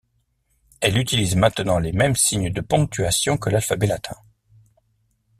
Elle utilise maintenant les mêmes signes de ponctuation que l’alphabet latin.